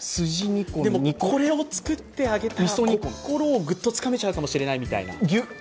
でも、これを作ってあげたら心をぐっとつかめちゃうかもしれない。